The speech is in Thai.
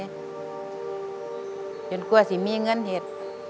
กลัวสิมีเงินเห็ด